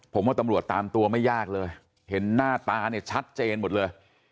ผมว่าตำรวจตามตัวไม่ยากเลยเห็นหน้าตาเนี่ยชัดเจนหมดเลย